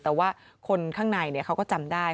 แต่ว่าคนข้างในเขาก็จำได้